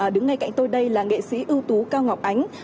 đứng ngay cạnh tôi đây là nghệ sĩ ưu tú cao ngọc ánh